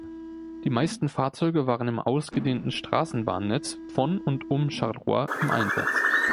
Die meisten Fahrzeuge waren im ausgedehnten Straßenbahnnetz von und um Charleroi im Einsatz.